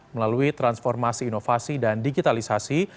melalui transformasi inovasi dan digitalisasi